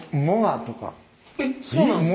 えっそうなんですか？